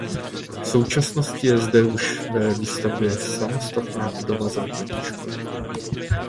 V současnosti je zde už ve výstavbě samostatná budova základní školy.